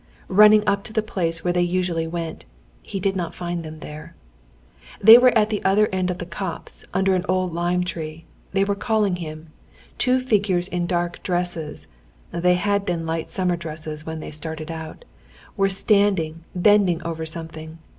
Running up to the place where they usually went, he did not find them there. They were at the other end of the copse under an old lime tree; they were calling him. Two figures in dark dresses (they had been light summer dresses when they started out) were standing bending over something.